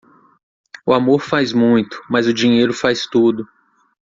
O amor faz muito, mas o dinheiro faz tudo.